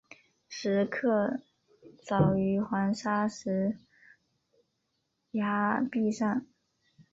石刻凿于黄砂石崖壁上。